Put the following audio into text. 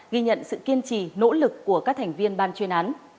ghi nhận sự kiên trì nỗ lực của các thành viên ban chuyên án